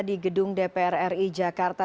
di gedung dpr ri jakarta